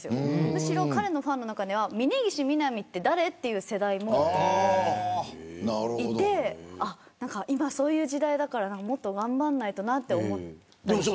むしろ彼のファンの中には峯岸みなみって誰という世代もいて今そういう時代だから、もっと頑張んないとなと思います。